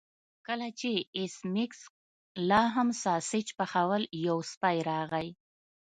کله چې ایس میکس لاهم ساسج پخول یو سپی راغی